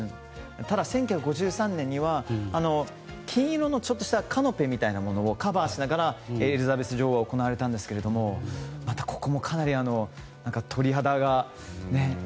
ただ、１９５３年には金色のカノペみたいなものをカバーしながらエリザベス女王には行われたんですがここもまたかなり鳥肌が。